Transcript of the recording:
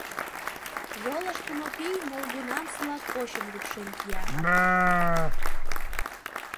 Йолыштымо пий молгунамсылак почым лупшен кия.